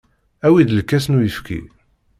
Awi-d lkas n uyefki.